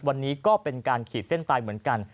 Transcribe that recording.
วันนี้ก็เป็นการขีดเส้นตายเหมือนกัน